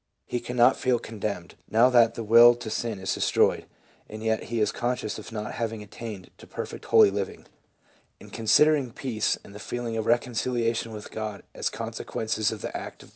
He cannot feel condemned now that the will to sin is destroyed, and yet he is conscious of not having attained to perfect holy living. In considering peace and the feeling of reconciliation with God as consequences of the act of jus PSYCHOLOGY OF RELIGIOUS PHENOMENA.